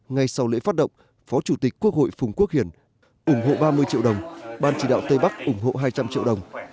ngay sau lễ phát động phó chủ tịch quốc hội phùng quốc hiển ủng hộ ba mươi triệu đồng ban chỉ đạo tây bắc ủng hộ hai trăm linh triệu đồng